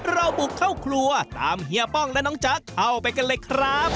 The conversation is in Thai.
เราบุกเข้าครัวตามเฮียป้องและน้องจ๊ะเข้าไปกันเลยครับ